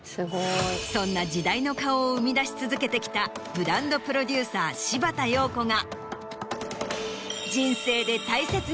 そんな時代の顔を生み出し続けてきたブランドプロデューサー柴田陽子が。